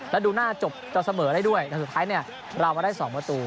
แล้วดูหน้าจบจะเสมอได้ด้วยแต่สุดท้ายเนี่ยเรามาได้๒ประตู